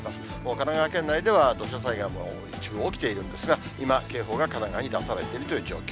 神奈川県内では土砂災害が一部起きているんですが、今、警報が神奈川に出されているという状況。